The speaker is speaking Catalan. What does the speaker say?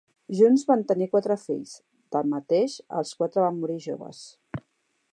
Junts van tenir quatre fills, tanmateix, els quatre van morir joves.